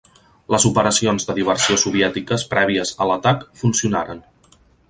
Les operacions de diversió soviètiques prèvies a l'atac funcionaren.